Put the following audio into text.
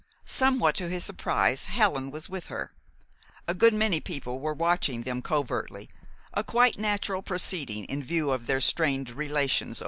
Somewhat to his surprise, Helen was with her. A good many people were watching them covertly, a quite natural proceeding in view of their strained relations overnight.